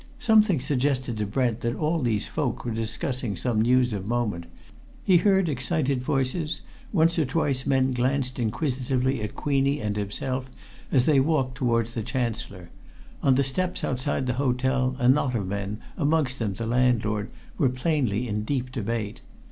Something suggested to Brent that all these folk were discussing some news of moment; he heard excited voices; once or twice men glanced inquisitively at Queenie and himself as they walked towards the Chancellor; on the steps outside the hotel a knot of men, amongst them the landlord, were plainly in deep debate.